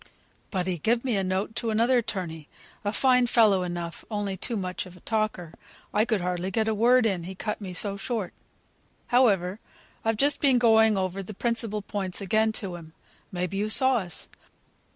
But he gived me a note to another 'torney; a fine fellow enough, only too much of a talker; I could hardly get a word in, he cut me so short. However, I've just been going over the principal points again to him; may be you saw us?